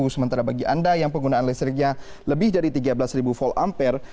sementara bagi anda yang penggunaan listriknya lebih dari tiga belas ribu volt ampere